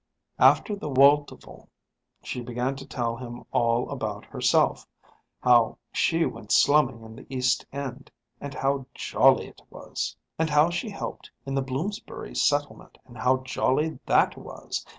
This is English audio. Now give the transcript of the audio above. After the Waldteufel she began to tell him all about herself; how she went slumming in the East End, and how jolly it was. And how she helped in the Bloomsbury Settlement, and how jolly that was.